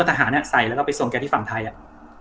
ทหารใส่แล้วก็ไปส่งแกที่ฝั่งไทยอ่ะ